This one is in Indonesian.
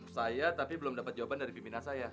saya tapi belum dapat jawaban dari pembina saya